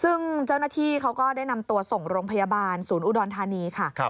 ซึ่งเจ้าหน้าที่เขาก็ได้นำตัวส่งโรงพยาบาลศูนย์อุดรธานีค่ะ